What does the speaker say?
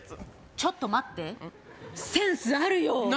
ちょっと待ってセンスあるよ何？